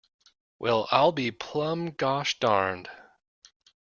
Well, I'll be plumb gosh darned.